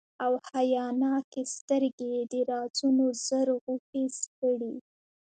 او حیاناکي سترګي یې د رازونو زر غوټي سپړي،